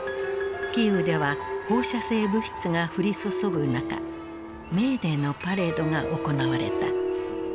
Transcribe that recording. キーウでは放射性物質が降り注ぐ中メーデーのパレードが行われた。